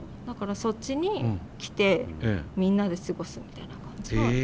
だからそっちに来てみんなで過ごすみたいな感じが。